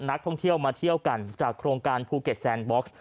นักท่องเที่ยวมาเที่ยวกันจากโครงการภูเก็ตแซนบ็อกซ์